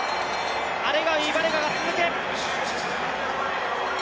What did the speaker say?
アレガウィ、バレガが続く。